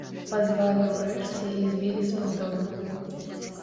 Пазвалі ўрэшце і збілі з панталыку.